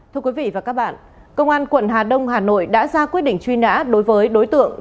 thưa quý vị và các bạn công an quận hà đông hà nội đã ra quyết định truy nã đối với đối tượng